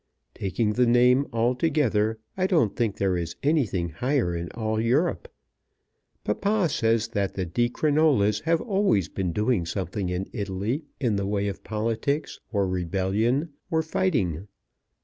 Taking the name altogether, I don't think there is anything higher in all Europe. Papa says that the Di Crinolas have always been doing something in Italy in the way of politics, or rebellion, or fighting.